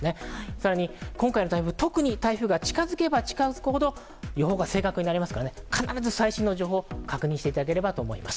更に今回の台風は近づけば近づくほど予報が正確になりますから最新の情報を確認していただければと思います。